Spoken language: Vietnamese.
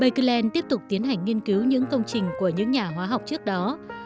bạc kỳ lên tiếp tục tiến hành nghiên cứu những công trình của những nhà hóa học trước đó